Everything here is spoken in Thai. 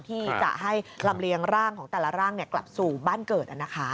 ที่จะให้ลำเลียงร่างของแต่ละร่างกลับสู่บ้านเกิด